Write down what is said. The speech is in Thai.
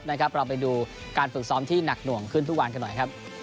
เราไปดูการฝึกซ้อมที่หนักหน่วงขึ้นทุกวันกันหน่อยครับ